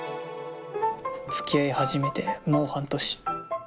つきあい始めてもう半年。